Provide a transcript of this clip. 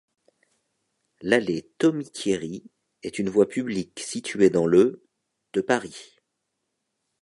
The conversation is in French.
L'allée Thomy-Thierry est une voie publique située dans le de Paris.